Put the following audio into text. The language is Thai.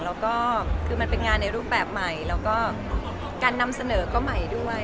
แล้วก็คือมันเป็นงานในรูปแบบใหม่แล้วก็การนำเสนอก็ใหม่ด้วย